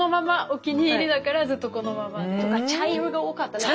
お気に入りだからずっとこのまま。とか茶色が多かったり。